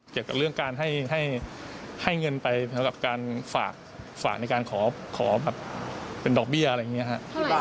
เกี่ยวกับเรื่องการให้เงินไปสำหรับการฝากในการขอแบบเป็นดอกเบี้ยอะไรอย่างนี้ครับ